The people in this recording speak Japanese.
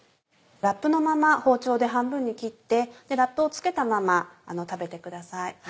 ラップのまま包丁で半分に切ってラップを付けたまま食べてください。